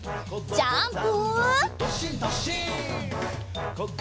ジャンプ！